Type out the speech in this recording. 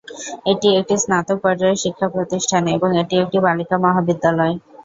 এটি একটি স্নাতক পর্যায়ের শিক্ষা প্রতিষ্ঠান এবং এটি একটি বালিকা মহাবিদ্যালয়।